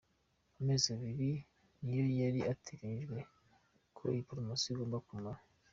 Amezi abiri niyo yari atagenyijwe ko iyi Promosiyo igomba kumara.